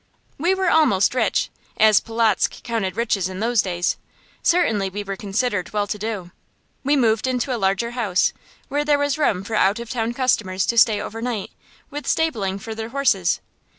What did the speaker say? We were almost rich, as Polotzk counted riches in those days; certainly we were considered well to do. We moved into a larger house, where there was room for out of town customers to stay overnight, with stabling for their horses.